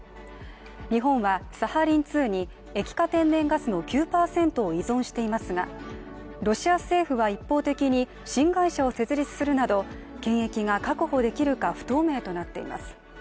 日本はサハリン２に液化天然ガスの９％を依存していますがロシア政府は一方的に新会社を設立するなど権益が確保できるか不透明となっています。